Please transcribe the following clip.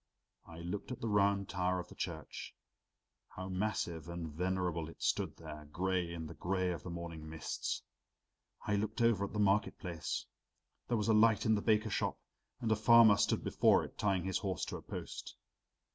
I looked at the round tower of the church how massive and venerable it stood there, gray in the gray of the morning mists. I looked over at the market place. There was a light in the baker shop and a farmer stood before it, tying his horse to a post.